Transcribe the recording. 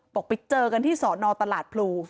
บอกไปเจอกันที่สอนอตลาดพลู